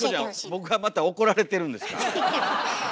僕はまた怒られてるんですか？